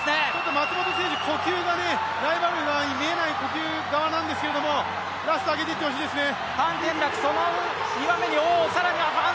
松元選手、ライバルの側に見えない呼吸なんですけど、ラスト上げてってほしいですね。